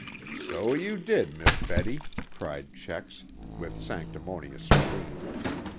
"So you did, Miss Betty," cried Checks, with sanctimonious spleen.